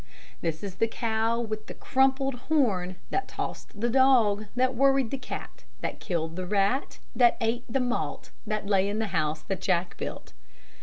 This is the cow with the crumpled horn, That tossed the dog, That worried the cat, That killed the rat, That ate the malt That lay in the house that Jack built.